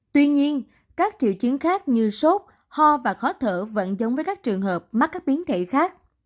tuy nhiên các triệu chứng khác như sốt ho và khó thở vẫn giống với các trường hợp mắc các biến thể khác